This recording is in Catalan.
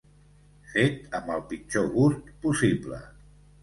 Fet amb el pitjor gust possible.